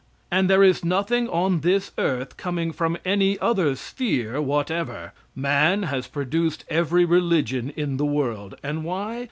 And there is nothing on this earth coming from any other sphere whatever. Man has produced every religion in the world. And why?